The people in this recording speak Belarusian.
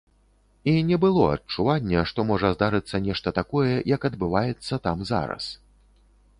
І не было адчування, што можа здарыцца нешта такое, як адбываецца там зараз.